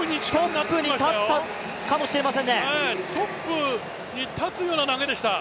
トップに立つような投げでした。